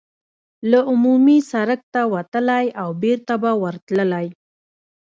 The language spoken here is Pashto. له عمومي سړک ته وتلای او بېرته به ورتللای.